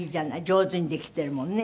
上手にできてるもんね。